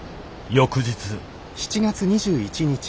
翌日。